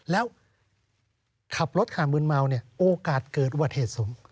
แล้วขับรถขามืนเมาโอกาสเกิดอุบัติเหตุสม